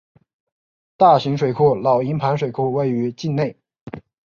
大型水库老营盘水库位于境内。